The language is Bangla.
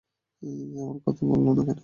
আমার কথা বললে না কেনো?